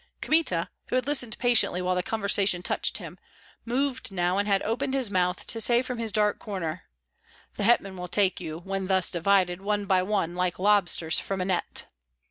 Kmita, who had listened patiently while the conversation touched him, moved now, and had opened his mouth to say from his dark corner, "The hetman will take you, when thus divided, one by one, like lobsters from a net."